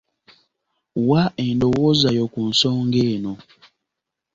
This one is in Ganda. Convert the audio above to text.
Wa endowooza yo ku nsonga eno.